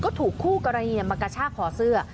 ก็ถูกคู่กรณีมากระชากคอเสื้อ